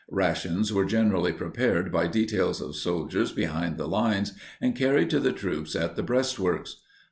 Rations were generally prepared by details of soldiers behind the lines and carried to the troops at the breastworks.